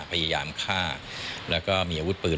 พยายามฆ่าแล้วก็มีอาวุธปืน